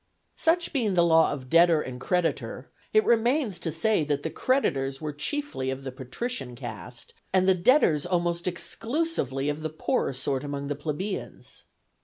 Such being the law of debtor and creditor, it remains to say that the creditors were chiefly of the patrician caste, and the debtors almost exclusively of the poorer sort among the plebeians.